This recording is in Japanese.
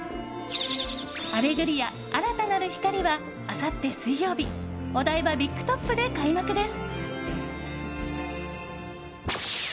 「アレグリア‐新たなる光‐」はあさって水曜日お台場ビッグトップで開幕です。